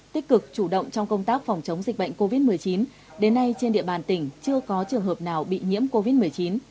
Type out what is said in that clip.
tích cực chủ động trong công tác phòng chống dịch bệnh covid một mươi chín đến nay trên địa bàn tỉnh chưa có trường hợp nào bị nhiễm covid một mươi chín